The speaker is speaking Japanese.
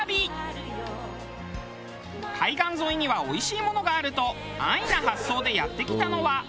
海岸沿いにはおいしいものがあると安易な発想でやって来たのは。